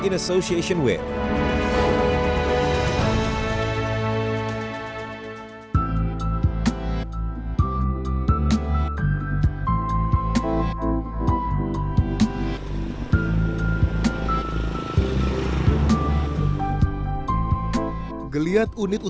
kita mempunyai sepuluh tahun kepentingan hukum